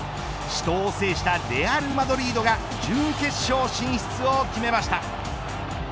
死闘を制したレアルマドリードが準決勝進出を決めました。